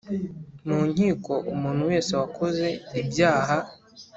Mu nkiko umuntu wese wakoze ibyaha